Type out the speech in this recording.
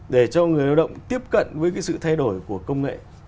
để cho người lao động tiếp cận với cái sự thay đổi của công nghệ